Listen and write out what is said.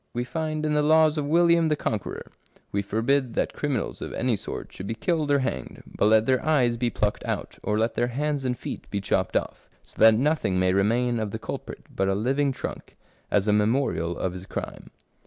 We find in the laws of William the Con queror —" We forbid that criminals of any sort should be killed or hanged, but let their eyes be plucked out, or let their hands and feet be chopped off, so that nothing may remain of the culprit but a living trunk, as a memorial of his crime."